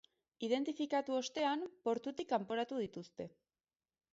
Identifikatu ostean, portutik kanporatu dituzte.